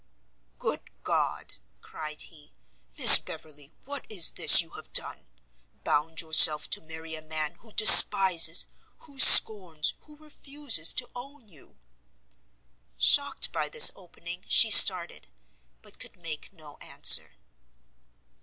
"Good God," cried he, "Miss Beverley, what is this you have done? bound yourself to marry a man who despises, who scorns, who refuses to own you!" Shocked by this opening, she started, but could make no answer.